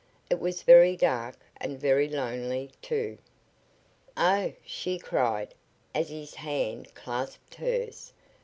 It was very dark and very lonely, too! "Oh!" she cried, as his hand clasped hers.